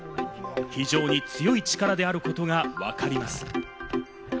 非常に強い力であることがわかります。